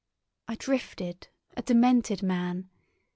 I drifted—a demented man.